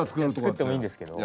作ってもいいんですけど。